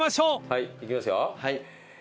はいいきますよ。